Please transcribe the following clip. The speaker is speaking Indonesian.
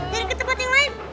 dari tempat yang lain